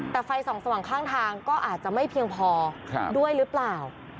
แต่ไฟส่องสว่างข้างทางก็อาจจะไม่เพียงพอด้วยหรือเปล่า